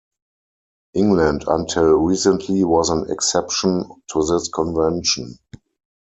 England until recently was an exception to this convention.